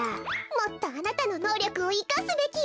もっとあなたののうりょくをいかすべきよ。